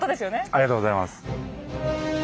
ありがとうございます。